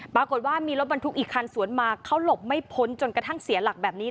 ปรากฏว่ามีรถบรรทุกอีกคันสวนมาเขาหลบไม่พ้นจนกระทั่งเสียหลักแบบนี้